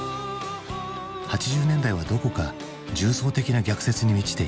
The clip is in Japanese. ８０年代はどこか重層的な逆説に満ちていた。